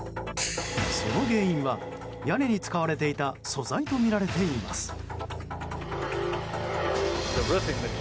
その原因は、屋根に使われていた素材とみられています。